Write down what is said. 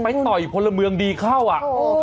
ไปต่อยคนละเมืองดีเข้าอ่ะ